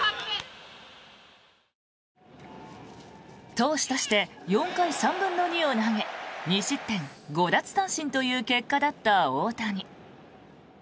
投手として４回３分の２を投げ２失点５奪三振という結果だった大谷。